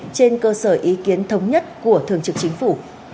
trên cơ sở ý kiến thống nhất của thường trực chính phủ